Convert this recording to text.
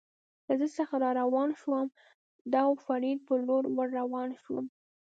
له ده څخه را روان شوم، د او فرید په لور ور روان شوم.